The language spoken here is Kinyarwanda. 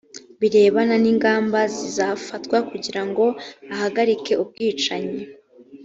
birebana n ingamba zafatwa kugira ngo ahagarike ubwicanyi